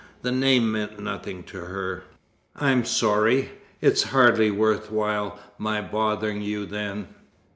The name meant nothing to her. "I'm sorry. It's hardly worth while my bothering you then."